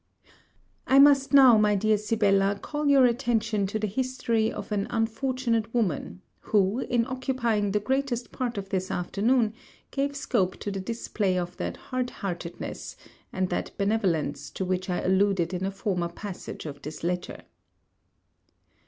I must now, my dear Sibella, call your attention to the history of an unfortunate woman, who, in occupying the greatest part of this afternoon, gave scope to the display of that hard heartedness, and that benevolence to which I alluded in a former passage of this letter.